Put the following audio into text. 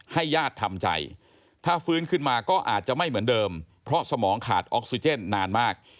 ญาติทำใจถ้าฟื้นขึ้นมาก็อาจจะไม่เหมือนเดิมเพราะสมองขาดออกซิเจนนานมาก